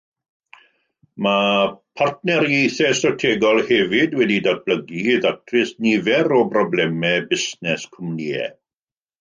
Mae partneriaethau strategol hefyd wedi datblygu i ddatrys nifer o broblemau busnes cwmnïau.